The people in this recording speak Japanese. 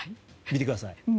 見てください。